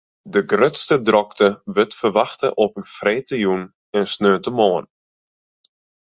De grutste drokte wurdt ferwachte op freedtejûn en sneontemoarn.